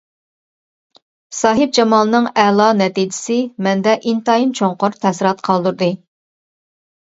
ساھىبجامالنىڭ ئەلا نەتىجىسى مەندە ئىنتايىن چوڭقۇر تەسىرات قالدۇردى.